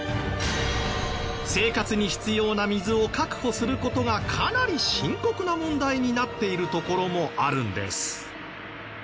生活に必要な水を確保する事がかなり深刻な問題になっている所もあるんです。